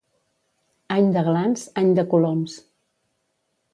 Any de glans, any de coloms.